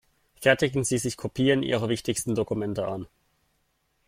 Fertigen Sie sich Kopien Ihrer wichtigsten Dokumente an.